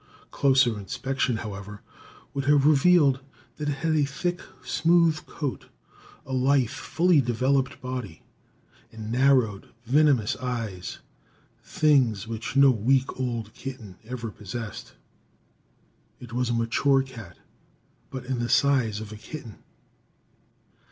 Closer inspection, however, would have revealed that it had a thick, smooth coat, a lithe, fully developed body and narrowed, venomous eyes things which no week old kitten ever possessed. It was a mature cat, but in the size of a kitten.